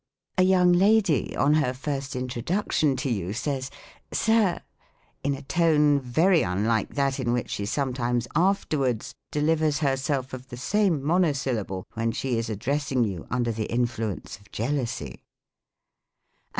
A young lady, on her first introduction to you, says, "Sir," in a tone very unlike that in which she some time afterwards delivers herself of the same mono syllable when she is addressing you under the influ ence of jealousy.